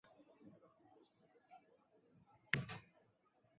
教区位于马德里自治区东部。